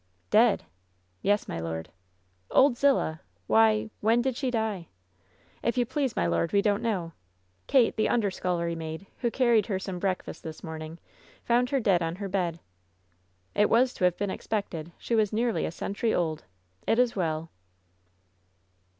"Dead!" "Yes, my lord." "Old Ziilah ! Why— when did she die T "If you please, my lord, we don't know. Eato, the under scullery maid, who carried her some breakfast this morning, found her dead on her bed." "It was to have been expected. She was nearly a cest' tury old. It is well